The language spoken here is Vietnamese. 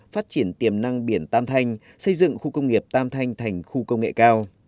phát triển tiềm năng biển tam thanh xây dựng khu công nghiệp tam thanh thành khu công nghệ cao